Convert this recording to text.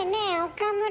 岡村。